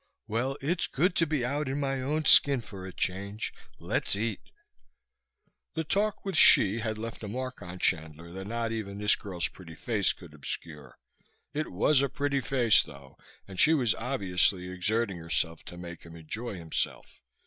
Well, it's good to be out in my own skin for a change. Let's eat!" The talk with Hsi had left a mark on Chandler that not even this girl's pretty face could obscure. It was a pretty face, though, and she was obviously exerting herself to make him enjoy himself.